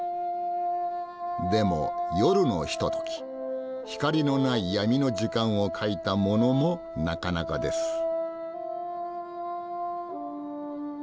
でも夜のひととき光のない闇の時間を描いたものもなかなかです。